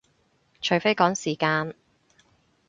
除非趕時間